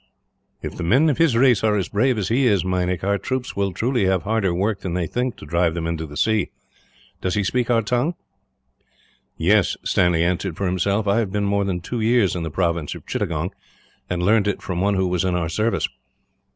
"If the men of his race are as brave as he is, Meinik, our troops will truly have harder work than they think to drive them into the sea. Does he speak our tongue?" "Yes," Stanley answered for himself. "I have been more than two years in the province of Chittagong, and learned it from one who was in our service."